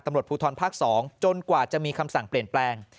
ตำรวจภูทรภาค๒จนกว่าจะมีคำสั่งเปลี่ยนแปลง